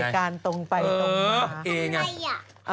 รายการตรงไปตรงมาทำไงอะ